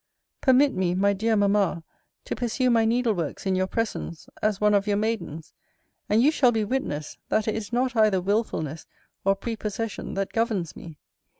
Permit me, my dear Mamma, to pursue my needleworks in your presence, as one of your maidens; and you shall be witness, that it is not either wilfulness or prepossession that governs me.